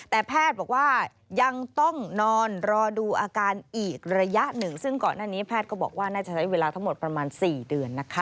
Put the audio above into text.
แต่แพทย์บอกว่ายังต้องนอนรอดูอาการอีกระยะหนึ่งซึ่งก่อนหน้านี้แพทย์ก็บอกว่าน่าจะใช้เวลาทั้งหมดประมาณ๔เดือนนะคะ